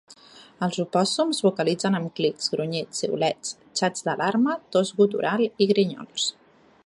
Els opòssums vocalitzen amb clics, grunyits, xiulets, xats d'alarma, tos gutural i grinyols.